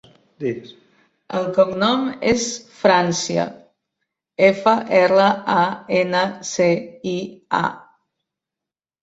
El cognom és Francia: efa, erra, a, ena, ce, i, a.